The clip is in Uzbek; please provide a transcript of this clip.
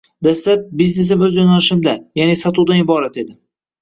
Dastlab, biznesim oʻz yoʻnalishimda, yaʼni sotuvdan iborat edi.